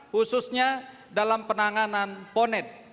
khususnya dalam penanganan ponet